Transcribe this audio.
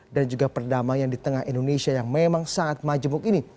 dan juga perdamaian di tengah indonesia yang memang sangat majemuk ini